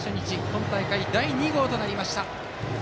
今大会第２号となりました。